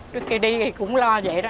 trước khi đi thì cũng lo dễ đó